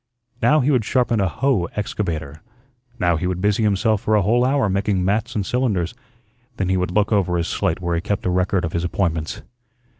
Now he would sharpen a "hoe" excavator, now he would busy himself for a whole hour making "mats" and "cylinders." Then he would look over his slate where he kept a record of his appointments.